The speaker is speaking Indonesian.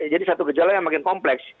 jadi satu gejala yang makin kompleks